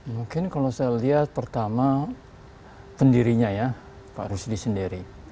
mungkin kalau saya lihat pertama pendirinya ya pak rusdi sendiri